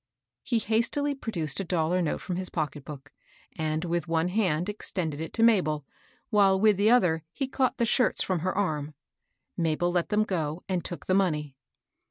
He hastily* produced a dollar note from his pock et book, and, with one hand, extended it to Mabel, while, with the other, he caught the shirts from her arm. Mabel let them go and took the money.